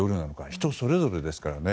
人それぞれですからね。